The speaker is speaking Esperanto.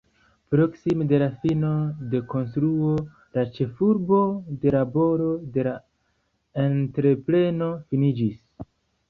Proksime de la fino de konstruo, la ĉefurbo de laboro de la entrepreno finiĝis.